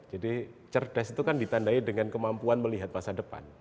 jadi cerdas itu kan ditandai dengan kemampuan melihat masa depan